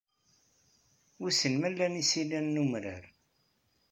Wissen ma lan isili n umrar.